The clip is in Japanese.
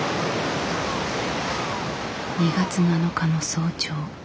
２月７日の早朝。